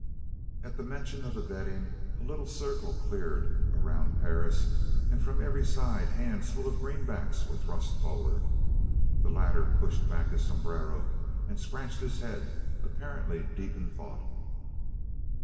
At the mention of the betting a little circle cleared around Perris and from every side hands full of greenbacks were thrust forward. The latter pushed back his sombrero and scratched his head, apparently deep in thought.